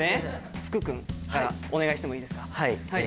福君からお願いしてもいいですか。